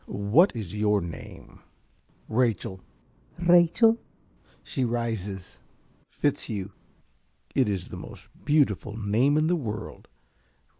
_) What is your name? ~Rachel.~ Rachel. (She rises.) ~Fitzhugh.~ It is the most beautiful name in the world.